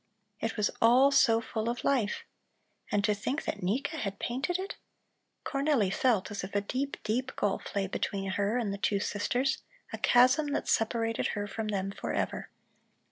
It was all so full of life! And to think that Nika had painted it! Cornelli felt as if a deep, deep gulf lay between her and the two sisters, a chasm that separated her from them forever.